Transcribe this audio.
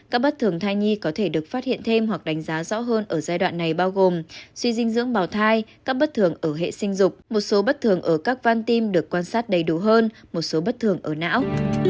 các bất thường thai nhi có thể được phát hiện thêm hoặc đánh giá rõ hơn ở giai đoạn này bao gồm suy dinh dưỡng bào thai các bất thường ở hệ sinh dục một số bất thường ở các van tim được quan sát đầy đủ hơn một số bất thường ở não